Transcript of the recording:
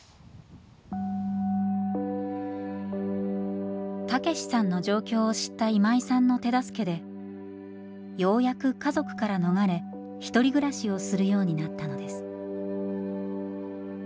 その時にたけしさんの状況を知った今井さんの手助けでようやく家族から逃れ一人暮らしをするようになったのです。